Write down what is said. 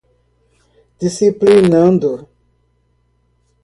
disciplinando